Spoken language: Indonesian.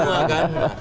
idola kita semua kan